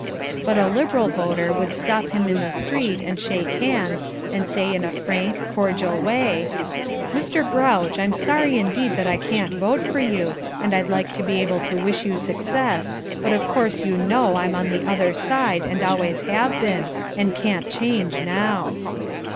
But a Liberal voter would stop him in the street and shake hands and say in a frank, cordial way. "Mr. Grouch, I'm sorry indeed that I can't vote for you, and I'd like to be able to wish you success, but of course you know I'm on the other side and always have been and can't change now."